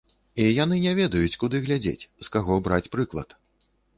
І яны не ведаюць, куды глядзець, з каго браць прыклад.